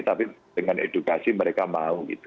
tapi dengan edukasi mereka mau gitu